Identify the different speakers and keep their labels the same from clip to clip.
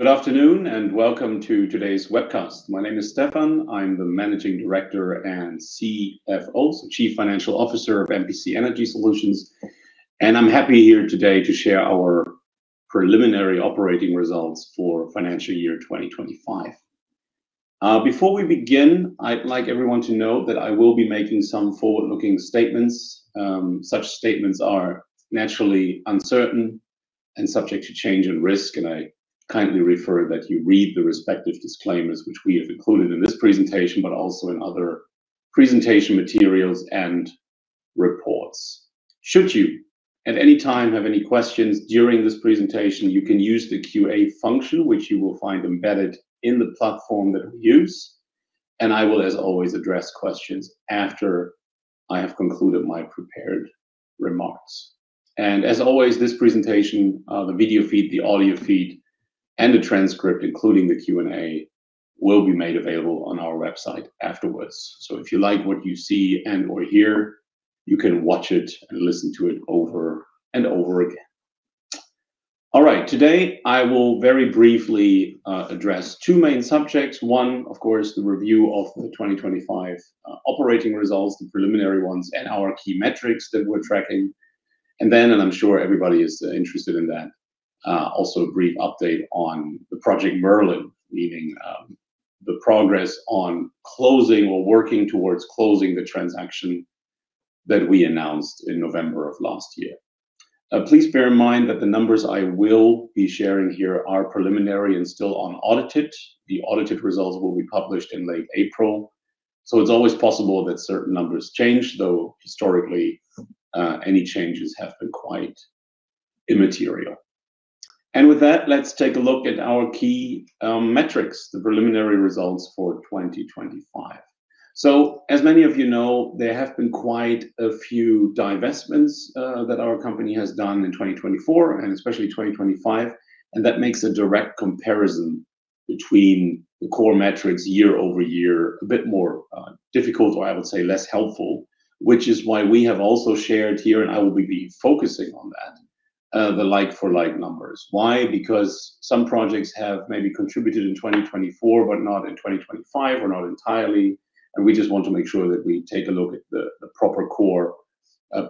Speaker 1: Good afternoon, welcome to today's webcast. My name is Stefan. I'm the Managing Director and CFO, Chief Financial Officer of MPC Energy Solutions. I'm happy here today to share our preliminary operating results for financial year 2025. Before we begin, I'd like everyone to know that I will be making some forward-looking statements. Such statements are naturally uncertain and subject to change and risk. I kindly refer that you read the respective disclaimers, which we have included in this presentation, but also in other presentation materials and reports. Should you, at any time, have any questions during this presentation, you can use the QA function, which you will find embedded in the platform that we use. I will, as always, address questions after I have concluded my prepared remarks. As always, this presentation, the video feed, the audio feed, and the transcript, including the Q&A, will be made available on our website afterwards. If you like what you see and or hear, you can watch it and listen to it over and over again. Today, I will very briefly address two main subjects. One, of course, the review of the 2025 operating results, the preliminary ones, and our key metrics that we're tracking. I'm sure everybody is interested in that, also a brief update on the Project Merlin, meaning the progress on closing or working towards closing the transaction that we announced in November of last year. Please bear in mind that the numbers I will be sharing here are preliminary and still unaudited. The audited results will be published in late April. It's always possible that certain numbers change, though historically, any changes have been quite immaterial. With that, let's take a look at our key metrics, the preliminary results for 2025. As many of you know, there have been quite a few divestments, that our company has done in 2024 and especially 2025. That makes a direct comparison between the core metrics year-over-year, a bit more difficult, or I would say, less helpful, which is why we have also shared here, and I will be focusing on that, the like for like numbers. Why? Some projects have maybe contributed in 2024, but not in 2025, or not entirely, we just want to make sure that we take a look at the proper core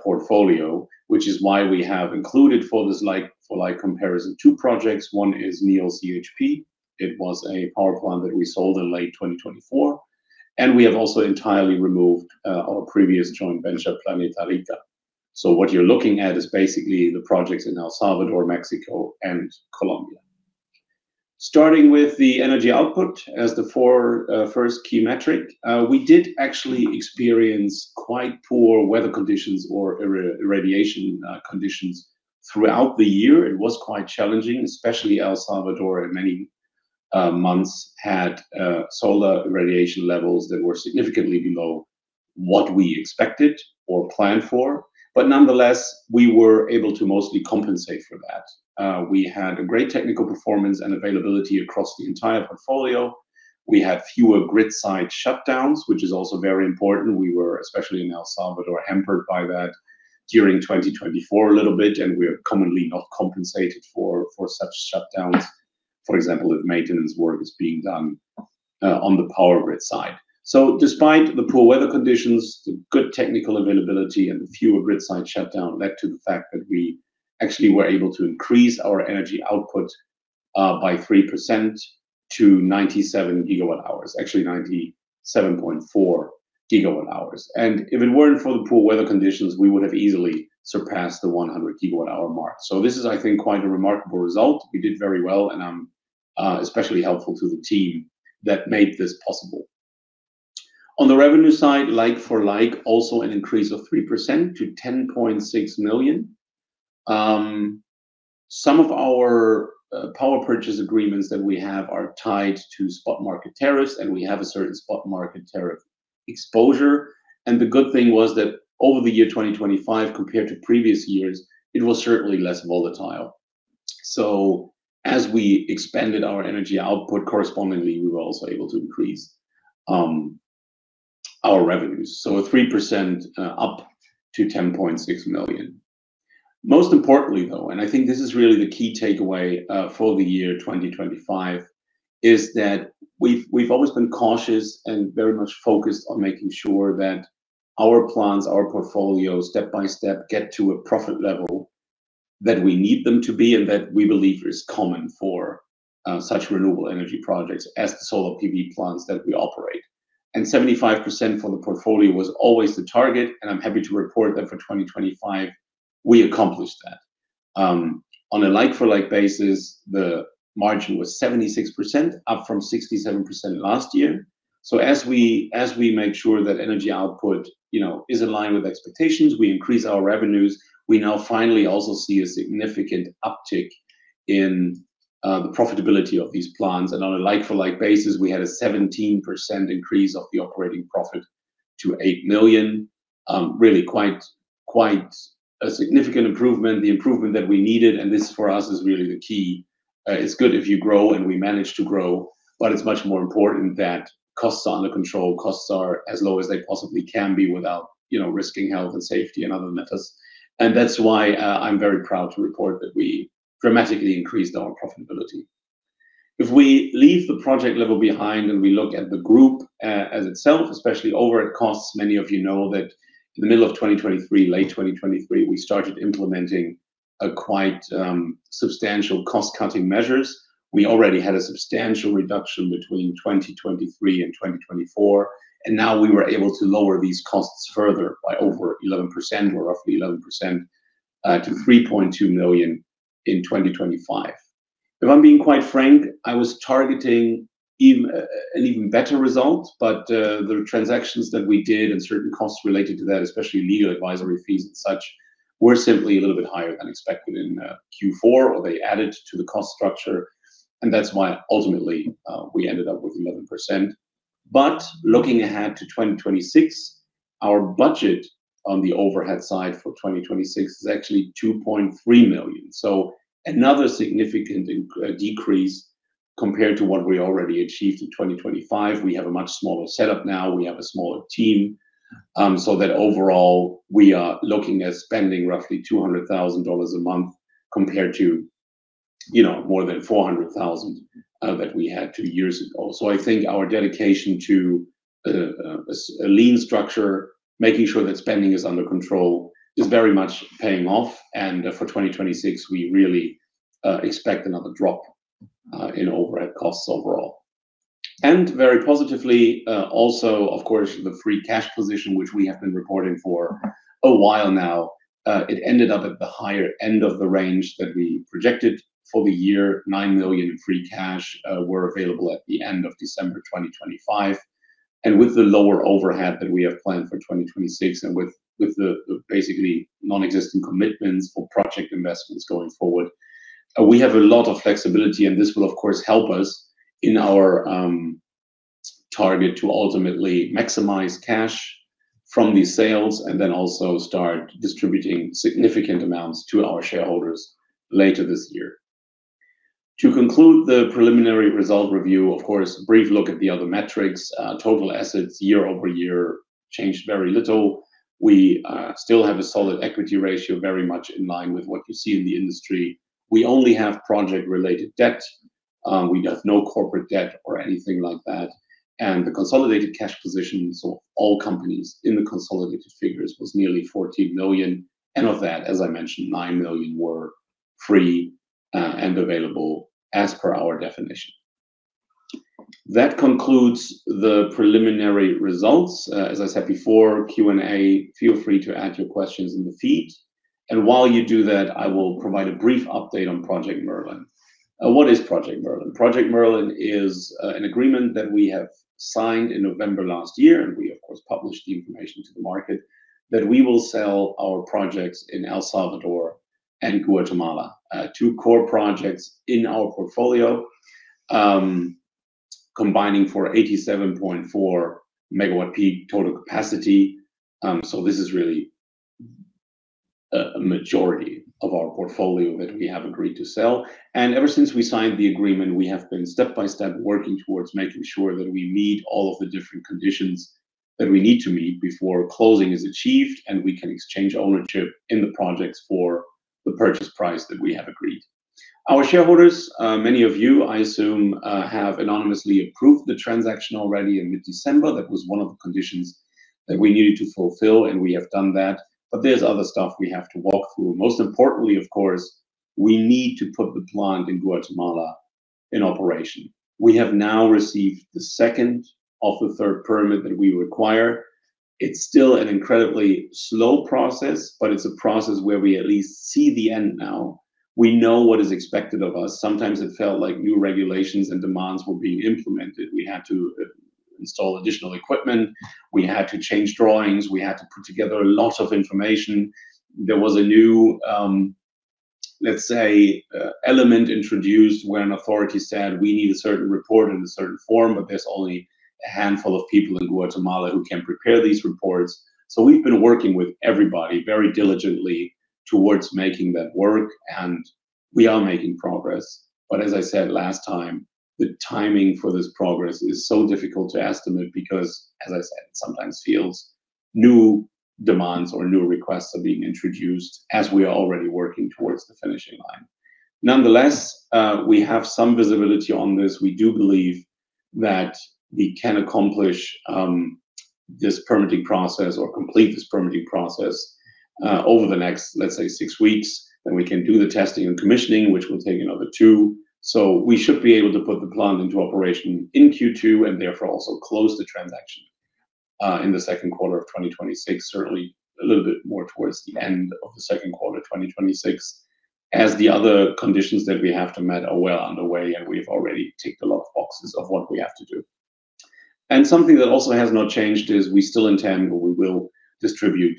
Speaker 1: portfolio. We have included for this like for like comparison, two projects. One is Neol CHP. It was a power plant that we sold in late 2024, we have also entirely removed our previous joint venture, Planeta Rica. What you're looking at is basically the projects in El Salvador, Mexico and Colombia. Starting with the energy output as the 4 first key metric, we did actually experience quite poor weather conditions or irradiation conditions throughout the year. It was quite challenging, especially El Salvador, at many months, had solar irradiation levels that were significantly below what we expected or planned for. Nonetheless, we were able to mostly compensate for that. We had a great technical performance and availability across the entire portfolio. We had fewer grid site shutdowns, which is also very important. We were, especially in El Salvador, hampered by that during 2024 a little bit, and we are commonly not compensated for such shutdowns, for example, if maintenance work is being done on the power grid side. Despite the poor weather conditions, the good technical availability and the fewer grid site shutdown led to the fact that we actually were able to increase our energy output by 3% to 97 GWh, actually 97.4 GWh. If it weren't for the poor weather conditions, we would have easily surpassed the 100 GWh mark. This is, I think, quite a remarkable result. We did very well, and I'm especially helpful to the team that made this possible. On the revenue side, like for like, also an increase of 3% to $10.6 million. Some of our power purchase agreements that we have are tied to spot market tariffs, and we have a certain spot market tariff exposure. The good thing was that over the year 2025, compared to previous years, it was certainly less volatile. As we expanded our energy output, correspondingly, we were also able to increase our revenues. A 3%, up to $10.6 million. Most importantly, though, I think this is really the key takeaway for the year 2025, is that we've always been cautious and very much focused on making sure that our plans, our portfolio, step by step, get to a profit level that we need them to be, and that we believe is common for such renewable energy projects as the solar PV plants that we operate. 75% for the portfolio was always the target, and I'm happy to report that for 2025, we accomplished that. On a like for like basis, the margin was 76%, up from 67% last year. As we make sure that energy output, you know, is in line with expectations, we increase our revenues, we now finally also see a significant uptick in the profitability of these plants. On a like for like basis, we had a 17% increase of the operating profit to $8 million. Really quite a significant improvement, the improvement that we needed, and this for us, is really the key. It's good if you grow, and we manage to grow, but it's much more important that costs are under control. Costs are as low as they possibly can be without, you know, risking health and safety and other matters. That's why, I'm very proud to report that we dramatically increased our profitability. If we leave the project level behind and we look at the group as itself, especially overhead costs, many of you know that in the middle of 2023, late 2023, we started implementing a quite substantial cost-cutting measures. We already had a substantial reduction between 2023 and 2024. Now we were able to lower these costs further by over 11%, or roughly 11%, to $3.2 million in 2025. If I'm being quite frank, I was targeting even an even better result. The transactions that we did and certain costs related to that, especially legal advisory fees and such, were simply a little bit higher than expected in Q4, or they added to the cost structure, and that's why ultimately we ended up with 11%. Looking ahead to 2026, our budget on the overhead side for 2026 is actually $2.3 million. Another significant decrease compared to what we already achieved in 2025. We have a much smaller setup now, we have a smaller team, so that overall, we are looking at spending roughly $200,000 a month, compared to, you know, more than $400,000, that we had two years ago. So I think our dedication to, a lean structure, making sure that spending is under control, is very much paying off, and for 2026, we really, expect another drop, in overhead costs overall. And very positively, also, of course, the free cash position, which we have been reporting for a while now, it ended up at the higher end of the range that we projected for the year. $9 million in free cash, were available at the end of December 2025. With the lower overhead that we have planned for 2026, with the basically non-existent commitments for project investments going forward, we have a lot of flexibility, and this will, of course, help us in our target to ultimately maximize cash from these sales, also start distributing significant amounts to our shareholders later this year. To conclude the preliminary result review, of course, a brief look at the other metrics. Total assets year-over-year changed very little. We still have a solid equity ratio, very much in line with what you see in the industry. We only have project-related debt. We have no corporate debt or anything like that. The consolidated cash positions of all companies in the consolidated figures was nearly $14 million, and of that, as I mentioned, $9 million were free and available as per our definition. That concludes the preliminary results. As I said before, Q&A, feel free to add your questions in the feed. While you do that, I will provide a brief update on Project Merlin. What is Project Merlin? Project Merlin is an agreement that we have signed in November last year, and we, of course, published the information to the market, that we will sell our projects in El Salvador and Guatemala. Two core projects in our portfolio, combining for 87.4 megawatt peak total capacity. This is really a majority of our portfolio that we have agreed to sell. Ever since we signed the agreement, we have been step-by-step working towards making sure that we meet all of the different conditions that we need to meet before closing is achieved, and we can exchange ownership in the projects for the purchase price that we have agreed. Our shareholders, many of you, I assume, have unanimously approved the transaction already in mid-December. That was one of the conditions that we needed to fulfill, and we have done that. There's other stuff we have to walk through. Most importantly, of course, we need to put the plant in Guatemala in operation. We have now received the second of the third permit that we require. It's still an incredibly slow process. It's a process where we at least see the end now. We know what is expected of us. Sometimes it felt like new regulations and demands were being implemented. We had to install additional equipment, we had to change drawings, we had to put together a lot of information. There was a new, let's say, element introduced when authority said, "We need a certain report in a certain form," but there's only a handful of people in Guatemala who can prepare these reports. We've been working with everybody very diligently towards making that work, and we are making progress. As I said last time, the timing for this progress is so difficult to estimate because, as I said, it sometimes feels new demands or new requests are being introduced as we are already working towards the finishing line. Nonetheless, we have some visibility on this. We do believe that we can accomplish this permitting process or complete this permitting process over the next, let's say, six weeks, and we can do the testing and commissioning, which will take another two. We should be able to put the plant into operation in Q2, and therefore, also close the transaction in the second quarter of 2026, certainly a little bit more towards the end of the second quarter, 2026, as the other conditions that we have to meet are well underway, and we've already ticked a lot of boxes of what we have to do. Something that also has not changed is we still intend, or we will distribute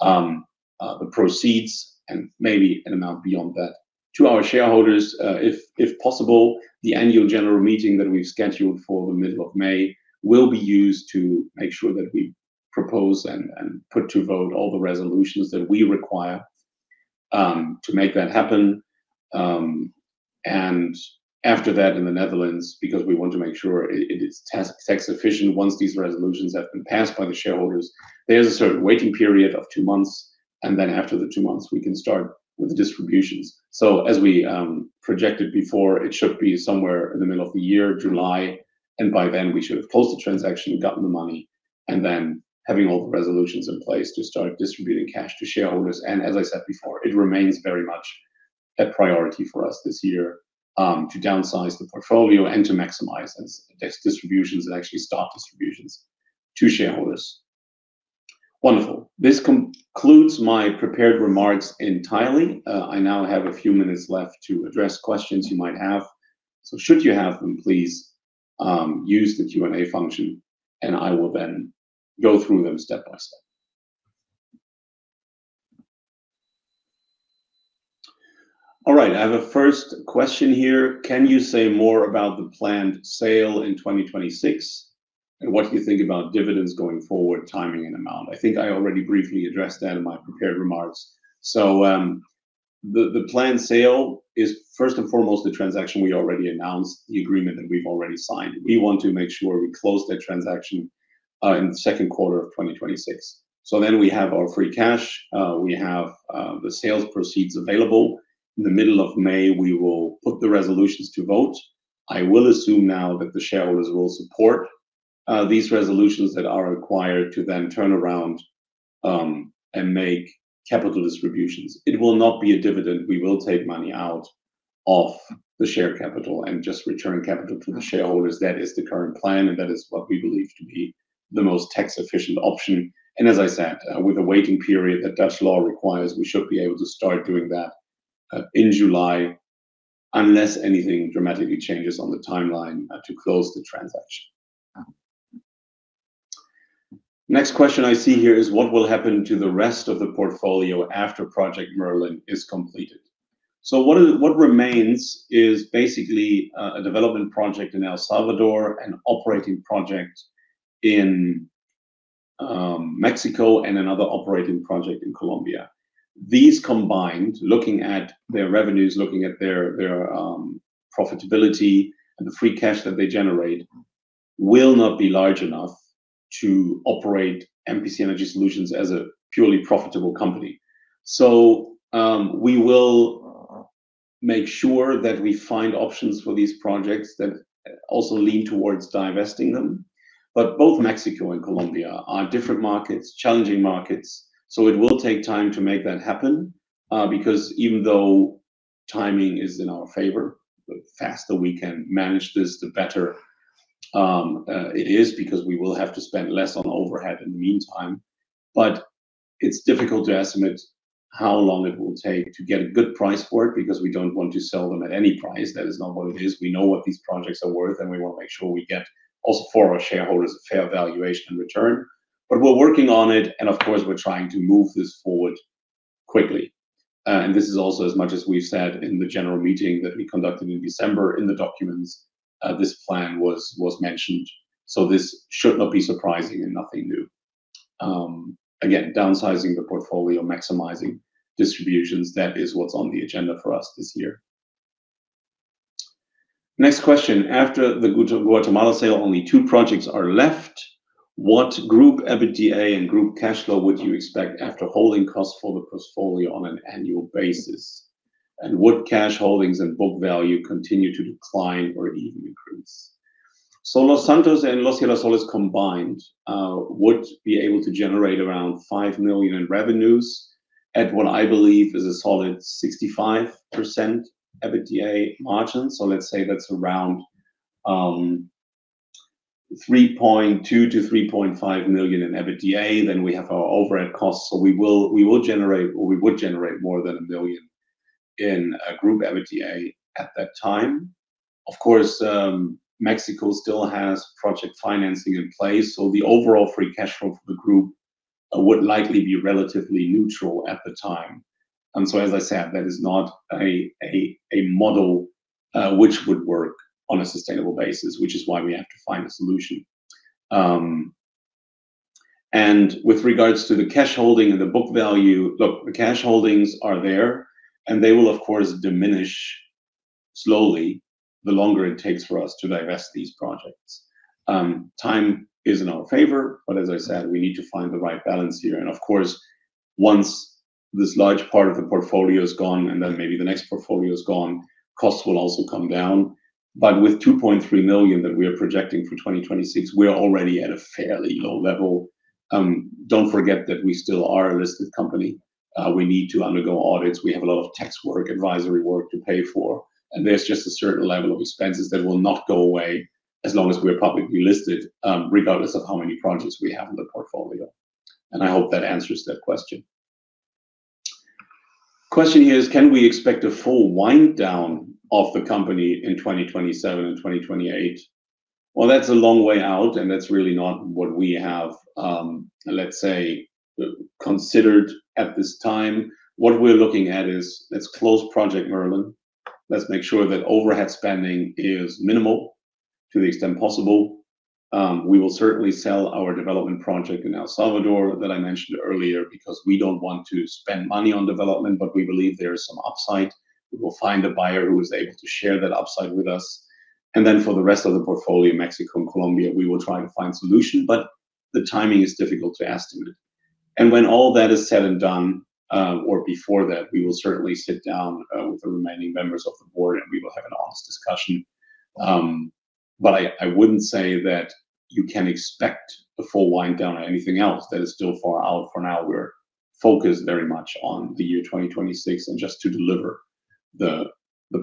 Speaker 1: the proceeds and maybe an amount beyond that to our shareholders. If possible, the annual general meeting that we've scheduled for the middle of May will be used to make sure that we propose and put to vote all the resolutions that we require to make that happen. After that, in the Netherlands, because we want to make sure it is tax efficient, once these resolutions have been passed by the shareholders, there's a certain waiting period of two months, after the two months, we can start with the distributions. As we projected before, it should be somewhere in the middle of the year, July, and by then, we should have closed the transaction, gotten the money, having all the resolutions in place to start distributing cash to shareholders. As I said before, it remains very much a priority for us this year, to downsize the portfolio and to maximize its distributions and actually start distributions to shareholders. Wonderful. This concludes my prepared remarks entirely. I now have a few minutes left to address questions you might have. Should you have them, please, use the Q&A function, and I will then go through them step by step. All right, I have a first question here: Can you say more about the planned sale in 2026, and what do you think about dividends going forward, timing and amount? I think I already briefly addressed that in my prepared remarks. The planned sale is, first and foremost, the transaction we already announced, the agreement that we've already signed. We want to make sure we close that transaction in the second quarter of 2026. We have our free cash, we have the sales proceeds available. In the middle of May, we will put the resolutions to vote. I will assume now that the shareholders will support these resolutions that are required to then turn around and make capital distributions. It will not be a dividend. We will take money out of the share capital and just return capital to the shareholders. That is the current plan, and that is what we believe to be the most tax-efficient option. As I said, with the waiting period that Dutch law requires, we should be able to start doing that in July, unless anything dramatically changes on the timeline to close the transaction. Next question I see here is: What will happen to the rest of the portfolio after Project Merlin is completed? What remains is basically, a development project in El Salvador, an operating project in Mexico, and another operating project in Colombia. These combined, looking at their revenues, looking at their profitability, and the free cash that they generate, will not be large enough to operate MPC Energy Solutions as a purely profitable company. We will make sure that we find options for these projects that also lean towards divesting them. Both Mexico and Colombia are different markets, challenging markets, so it will take time to make that happen, because even though timing is in our favor, the faster we can manage this, the better it is, because we will have to spend less on overhead in the meantime. It's difficult to estimate how long it will take to get a good price for it, because we don't want to sell them at any price. That is not what it is. We know what these projects are worth, and we want to make sure we get, also for our shareholders, a fair valuation in return. We're working on it, and of course, we're trying to move this forward quickly. This is also, as much as we've said in the general meeting that we conducted in December, in the documents, this plan was mentioned. This should not be surprising and nothing new. Again, downsizing the portfolio, maximizing distributions, that is what's on the agenda for us this year. Next question: After the Guatemala sale, only two projects are left. What group EBITDA and group cash flow would you expect after holding cost for the portfolio on an annual basis? Would cash holdings and book value continue to decline or even increase? Los Santos and Los Girasoles combined would be able to generate around $5 million in revenues at what I believe is a solid 65% EBITDA margin. Let's say that's around $3.2 million to three point million in EBITDA. We have our overhead costs, we will generate, or we would generate more than $1 million in group EBITDA at that time. Of course, Mexico still has project financing in place, the overall free cash flow for the group would likely be relatively neutral at the time. As I said, that is not a model which would work on a sustainable basis, which is why we have to find a solution. With regards to the cash holding and the book value, look, the cash holdings are there, and they will, of course, diminish slowly, the longer it takes for us to divest these projects. Time is in our favor, as I said, we need to find the right balance here. Of course, once this large part of the portfolio is gone, then maybe the next portfolio is gone, costs will also come down. With $2.3 million that we are projecting for 2026, we are already at a fairly low level. Don't forget that we still are a listed company. We need to undergo audits. We have a lot of tax work, advisory work to pay for, and there's just a certain level of expenses that will not go away as long as we're publicly listed, regardless of how many projects we have in the portfolio. I hope that answers that question. Question here is: Can we expect a full wind down of the company in 2027 and 2028? Well, that's a long way out, and that's really not what we have, let's say, considered at this time. What we're looking at is, let's close Project Merlin. Let's make sure that overhead spending is minimal to the extent possible. We will certainly sell our development project in El Salvador that I mentioned earlier, because we don't want to spend money on development, but we believe there is some upside. We will find a buyer who is able to share that upside with us. For the rest of the portfolio, Mexico and Colombia, we will try to find solution, but the timing is difficult to estimate. When all that is said and done, or before that, we will certainly sit down with the remaining members of the board. We will have an honest discussion. I wouldn't say that you can expect a full wind down or anything else. That is still far out. For now, we're focused very much on the year 2026, just to deliver the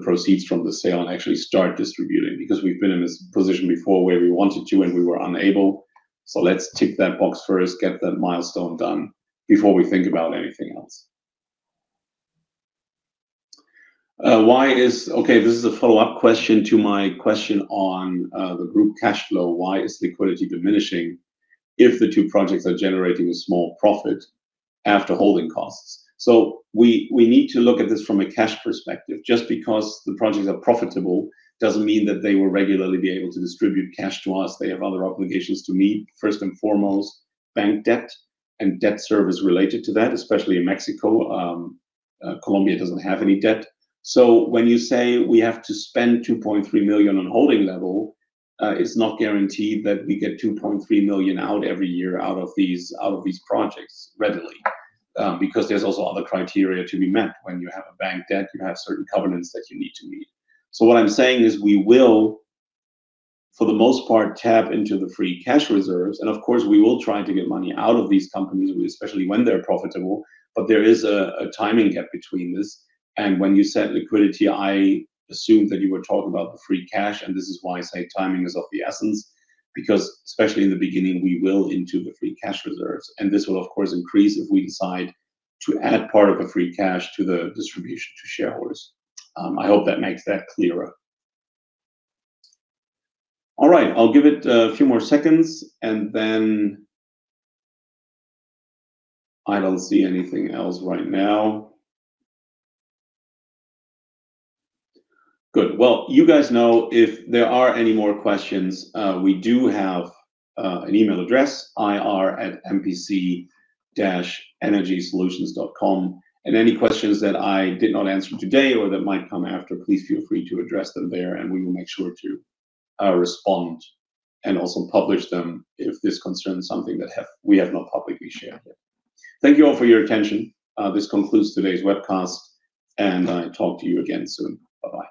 Speaker 1: proceeds from the sale and actually start distributing. Because we've been in this position before where we wanted to and we were unable. Let's tick that box first, get that milestone done before we think about anything else. This is a follow-up question to my question on the group cash flow. "Why is liquidity diminishing if the two projects are generating a small profit after holding costs?" We need to look at this from a cash perspective. Just because the projects are profitable, doesn't mean that they will regularly be able to distribute cash to us. They have other obligations to meet, first and foremost, bank debt and debt service related to that, especially in Mexico. Colombia doesn't have any debt. When you say we have to spend $2.3 million on holding level, it's not guaranteed that we get $2.3 million out every year out of these projects readily, because there's also other criteria to be met. When you have a bank debt, you have certain covenants that you need to meet. What I'm saying is, we will, for the most part, tap into the free cash reserves, and of course, we will try to get money out of these companies, especially when they're profitable, but there is a timing gap between this. When you said liquidity, I assumed that you were talking about the free cash, and this is why I say timing is of the essence. Especially in the beginning, we will into the free cash reserves, and this will, of course, increase if we decide to add part of the free cash to the distribution to shareholders. I hope that makes that clearer. All right, I'll give it a few more seconds. I don't see anything else right now. Good. Well, you guys know if there are any more questions, we do have an email address, ir@mpc-energysolutions.com. Any questions that I did not answer today or that might come after, please feel free to address them there, and we will make sure to respond and also publish them if this concerns something that we have not publicly shared yet. Thank you all for your attention. This concludes today's webcast. I talk to you again soon. Bye-bye.